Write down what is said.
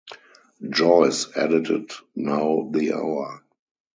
Joyce edited Now's the Hour!